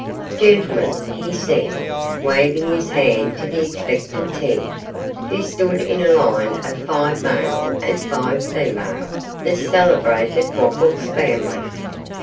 'Gentlemen,' he said, waving his hand to the expectant ten, who stood in a line of five male and five female, 'the celebrated Wopples family.